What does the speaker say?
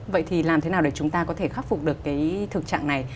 vậy thì làm thế nào để chúng ta có thể khắc phục được cái thực trạng này